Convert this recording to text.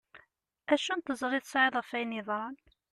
Acu n tiẓri i tesεiḍ ɣef ayen yeḍran?